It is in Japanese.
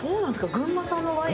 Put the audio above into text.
群馬産のワイン。